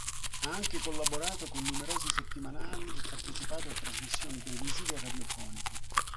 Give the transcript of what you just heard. Ha anche collaborato con numerosi settimanali e partecipato a trasmissioni televisive e radiofoniche.